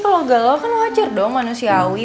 kalau galau kan wajar dong manusiawi